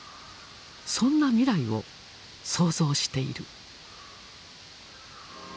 そんな未来を想像している。